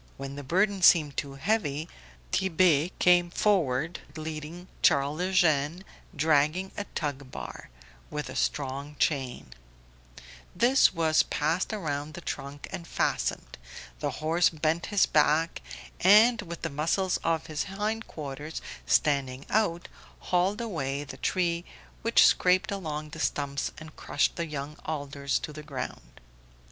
When the burden seemed too heavy, Tit'Bé came forward leading Charles Eugene dragging a tug bar with a strong chain; this was passed round the trunk and fastened, the horse bent his back, and with the muscles of his hindquarters standing out, hauled away the tree which scraped along the stumps and crushed the young alders to the ground.